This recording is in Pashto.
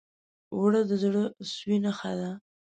اوړه د زړه سوي نښه ده